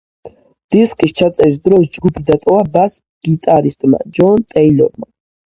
დისკის ჩაწერის დროს ჯგუფი დატოვა ბას-გიტარისტმა ჯონ ტეილორმა.